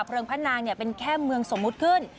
เผลิงพระนางนี่เป็นแค่เมืองสมมุติขึ้น